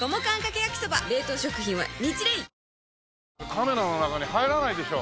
カメラの中に入らないでしょ。